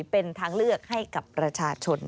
เป็นทางเลือกให้กับประชาชน